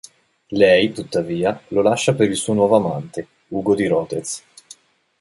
Lei, tuttavia, lo lascia per il suo nuovo amante, Ugo di Rodez.